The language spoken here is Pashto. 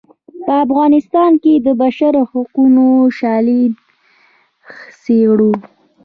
په افغانستان کې د بشر حقونو شالید څیړو.